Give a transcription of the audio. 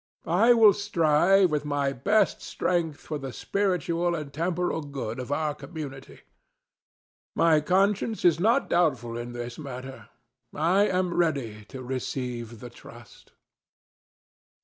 I will strive with my best strength for the spiritual and temporal good of our community. My conscience is not doubtful in this matter. I am ready to receive the trust."